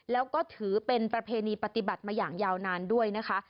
แล้วก็ถือเป็นประเพณีปฏิบัติมาอย่างยาวนานด้วยนะคะ